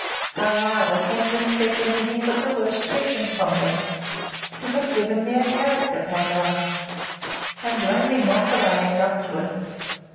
—How, rather, can you expect any thing but the worst treatment from me?—You have given me a character, Pamela; and blame me not that I act up to it.